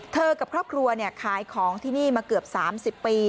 กับครอบครัวขายของที่นี่มาเกือบ๓๐ปี